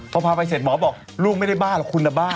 พอพาไปเสร็จหมอบอกลูกไม่ได้บ้าหรอกคุณนะบ้า